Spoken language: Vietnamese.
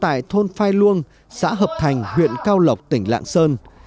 tại thôn phai luông xã hợp thành huyện cao lộc tỉnh lạng sơn